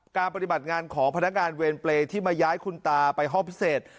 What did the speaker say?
ปฏิบัติงานของพนักงานเวรเปรย์ที่มาย้ายคุณตาไปห้องพิเศษ